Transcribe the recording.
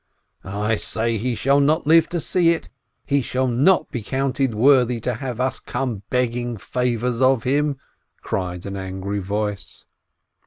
"I say, he shall not live to see it; he shall not be counted worthy to have us come begging favors of him !" cried an angry voice.